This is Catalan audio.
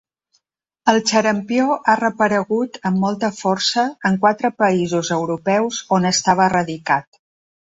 El xarampió ha reaparegut amb molta força en quatre països europeus on estava erradicat.